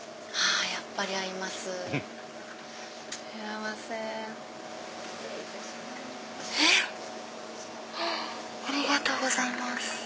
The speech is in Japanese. ありがとうございます。